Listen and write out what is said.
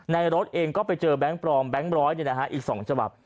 ในรถเองก็ไปเจอแบงค์ปลอมแบงค์บร้อยเนี่ยนะฮะอีก๒ฉบับ